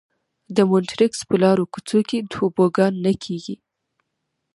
د مونټریکس په لارو کوڅو کې توبوګان نه کېږي.